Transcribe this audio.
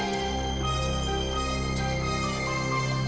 kalau mau jadi orang kaya